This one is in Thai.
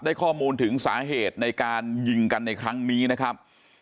ได้ข้อมูลถึงสาเหตุในการยิงกันในครั้งนี้นะครับ